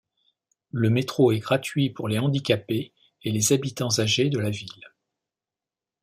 Le métro est gratuit pour les handicapés et les habitants âgés de la ville.